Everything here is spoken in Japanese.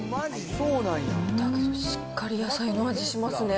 だけどしっかり野菜の味しますね。